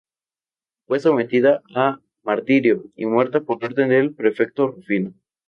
Fue sometida a martirio y muerta por orden del prefecto Rufino.